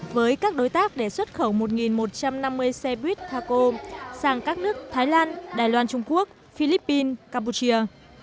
với các đối tác để xuất khẩu một một trăm năm mươi xe buýt taco sang các nước thái lan đài loan trung quốc philippines campuchia